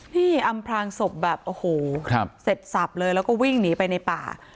อำพลางศพแบบโอ้โหเสร็จสับเลยแล้วก็วิ่งหนีไปในป่า